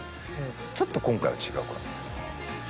ちょっと今回は違うかな。